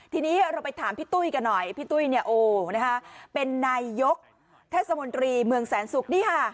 ทีนี้เราไปถามพี่ตุ้ยกันหน่อยพี่ตุ้ยเป็นนายยกแทศมนตรีเมืองแสนสุข